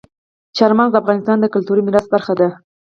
چار مغز د افغانستان د کلتوري میراث برخه ده.